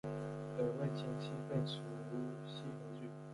北魏前期废除西河郡。